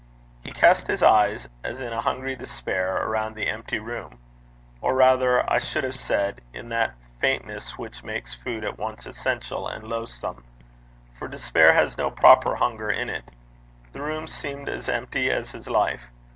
He cast his eyes, as in a hungry despair, around the empty room or, rather, I should have said, in that faintness which makes food at once essential and loathsome; for despair has no proper hunger in it. The room seemed as empty as his life.